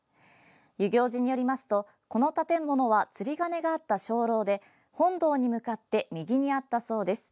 遊行寺によりますと、この建物は釣り鐘があった鐘楼で本堂に向かって右にあったそうです。